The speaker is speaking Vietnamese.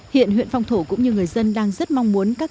hiện huyện phòng thủ cũng như người dân đang rất mong muốn các cấp